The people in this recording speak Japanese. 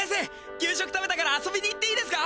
きゅう食食べたから遊びに行っていいですか？